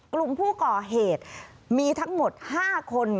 กลุ่มผู้ก่อเหตุมีทั้งหมด๕คน